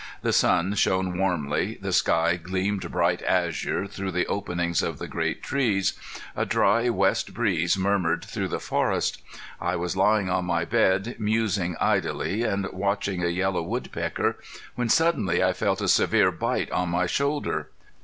The sun shone warmly, the sky gleamed bright azure through the openings of the great trees, a dry west breeze murmured through the forest. I was lying on my bed musing idly and watching a yellow woodpecker when suddenly I felt a severe bite on my shoulder.